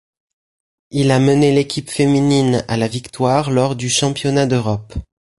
Il a mené l'équipe féminine à la victoire lors du championnat d'Europe.